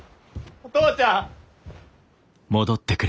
お父ちゃん！